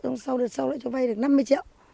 xong rồi sau lại tôi vay được năm mươi triệu